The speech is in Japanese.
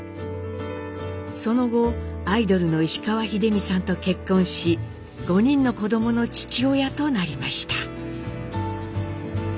その後アイドルの石川秀美さんと結婚し５人の子どもの父親となりました。